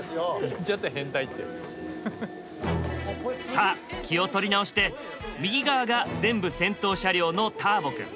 さあ気を取り直して右側が全部先頭車両のターボくん。